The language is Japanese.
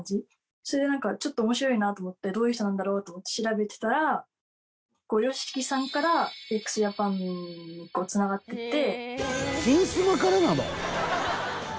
それでなんかちょっと面白いなと思ってどういう人なんだろうと思って調べてたらＹＯＳＨＩＫＩさんからＸＪＡＰＡＮにつながっていって。